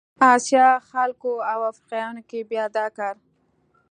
د اسیا خلکو او افریقایانو کې بیا دا کار